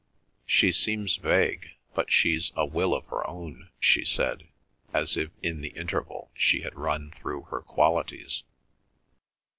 "She seems vague, but she's a will of her own," she said, as if in the interval she had run through her qualities.